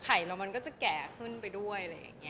แข่เราก็จะแก่ขึ้นไปด้วย